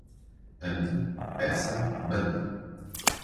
Ande, peça, mande.